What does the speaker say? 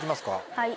はい。